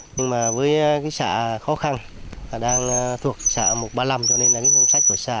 nhưng mà với cái xã khó khăn đang thuộc xã một trăm ba mươi năm cho nên là ngân sách của xã